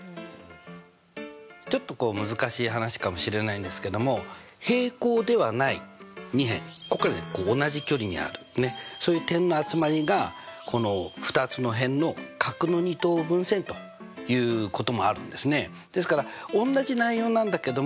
ちょっと難しい話かもしれないんですけども平行ではない２辺ここから同じ距離にあるそういう点の集まりがこの２つの辺の角の二等分線ということもあるんですね。